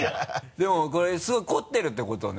でもこれすごい凝ってるってことね？